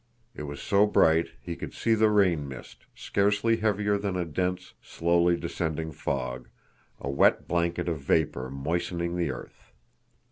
It was so bright he could see the rain mist, scarcely heavier than a dense, slowly descending fog, a wet blanket of vapor moistening the earth.